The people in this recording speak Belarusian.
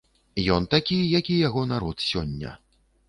Ён такі, які яго народ сёння.